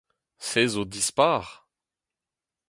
Se zo dispar !